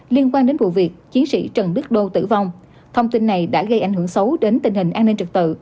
liên quan đến vụ việc chiến sĩ trần đức đô tử vong thông tin này đã gây ảnh hưởng xấu đến tình hình an ninh trật tự